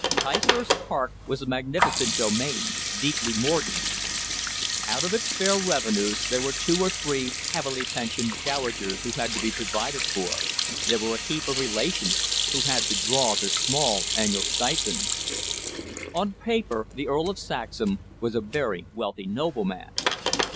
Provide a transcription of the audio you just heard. Ticehurst Park was a magnificent domain, deeply mortgaged. Out of its fair revenues, there were two or three heavily pensioned dowagers who had to be provided for, there were a heap of relations who had to draw their small annual stipends. On paper, the Earl of Saxham was a very wealthy nobleman.